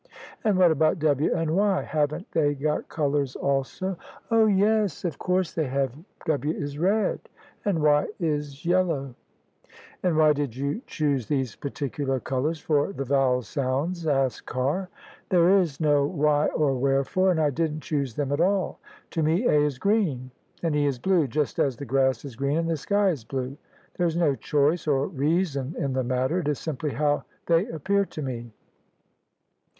" And what about W and Y? Haven't they got colours also?" "Oh! yes; of course they have. W is red and Y is yeUow." "And why did you choose these particular colours for the vowel sounds ?" asked Carr. " There is no why or wherefore, and I didn't choose them at all. To me A is green and E is blue, just as the grass is green and the sky is blue; there is no choice or reason in the matter. It is simply how they appear to me."